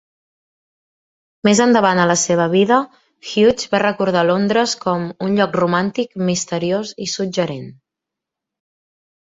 Més endavant a la seva vida, Hughes va recordar Londres com "un lloc romàntic, misteriós i suggerent".